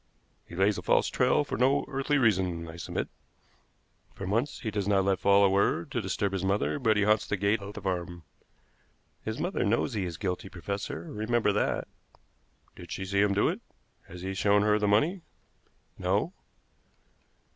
He lays a false trail for no earthly reason, I submit. For months he does not let fall a word to disturb his mother, but he haunts the gate of the farm." "His mother knows he is guilty, professor; remember that." "Did she see him do it? Has he shown her the money?" "No."